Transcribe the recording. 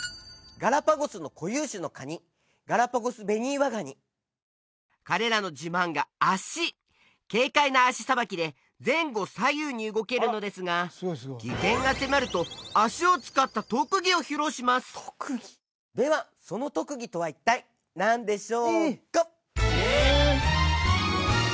ガラパゴスの固有種のカニガラパゴスベニイワガニ彼らの自慢が脚軽快な脚さばきで前後左右に動けるのですが危険が迫ると脚を使った特技を披露しますではその特技とは一体何でしょうか？